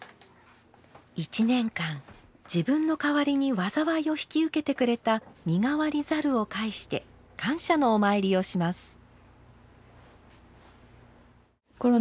１年間自分の代わりに災いを引き受けてくれた身代わり申を返して感謝のお参りをします。